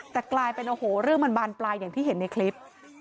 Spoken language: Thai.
แต่กลายเป็นโอ้โหเรื่องมันบานปลายอย่างที่เห็นในคลิป